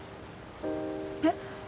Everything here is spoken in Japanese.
えっ？